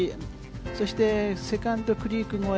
そして、セカンドクリーク越え。